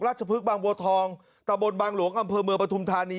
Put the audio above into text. พฤกษบางบัวทองตะบนบางหลวงอำเภอเมืองปฐุมธานี